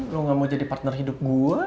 lo gak mau jadi partner hidup gue